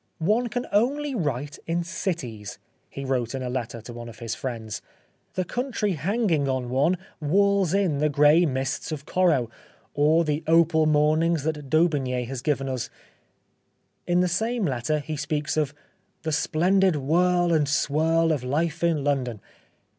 *' One can only write in cities," he wrote in a letter to one of his friends, G 97 The Life of Oscar Wilde " the country hanging on one walls in the grey mists of Corot, or the opal mornings that Daubigny has given us." In the same letter, he speaks of " the splendid whirl and swirl of life in London."